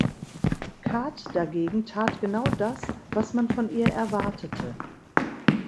Kath dagegen tat genau das, was man von ihr erwartete.